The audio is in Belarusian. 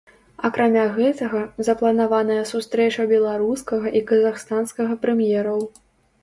Акрамя гэтага, запланаваная сустрэча беларускага і казахстанскага прэм'ераў.